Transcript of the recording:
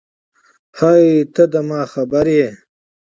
هی ته ده ما خبر یی